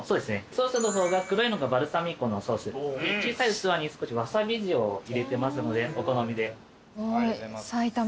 ソースの方が黒いのがバルサミコのソース小さい器にわさび塩を入れてますのでお好みで。